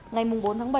ngày bốn tháng bảy